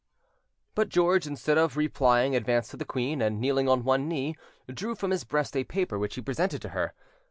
But George, instead of replying, advanced to the queen, and, kneeling on one knee, drew from his breast a paper which he presented to her.